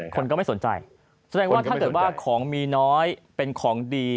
คนก็ไม่สนใจแสดงว่าถ้าเกิดว่าของมีน้อยเป็นของดี